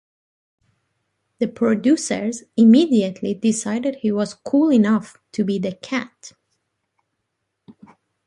The producers immediately decided he was cool enough to be "the Cat".